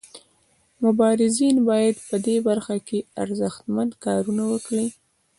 مبارزین باید په دې برخه کې ارزښتمن کارونه وکړي.